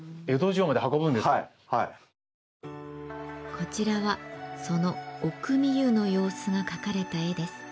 こちらはその御汲湯の様子が描かれた絵です。